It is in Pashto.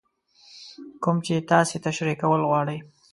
کوم چې تاسې تشرېح کول غواړئ.